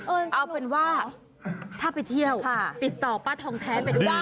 เอาเป็นว่าถ้าไปเที่ยวติดต่อป้าทองแท้ไปด้วย